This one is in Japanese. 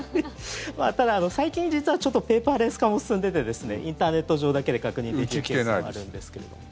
ただ、最近実はペーパーレス化も進んでてインターネット上だけで確認できるケースもあるんですけども。